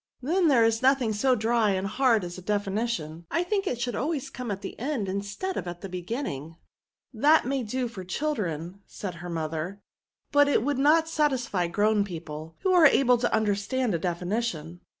Then there is nothing so dry and hard as a definition ; I think it should always come in at the end instead of at the beginning.'' '* That may do for children/* said her mother, *^ but it would not satisfy grown people, who are able to understand a defin ition."